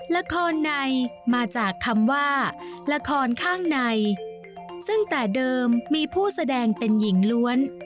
ละครในมาจากคำว่าละครข้างในซึ่งแต่เดิมมีผู้แสดงเป็นหญิงล้วน